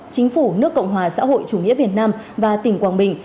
chính phủ nước cộng hòa xã hội chủ nghĩa việt nam và tỉnh quảng bình